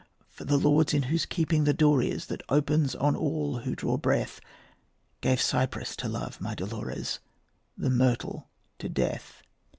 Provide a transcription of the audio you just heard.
For the lords in whose keeping the door is That opens on all who draw breath Gave the cypress to love, my Dolores, The myrtle to death.